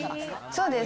そうです。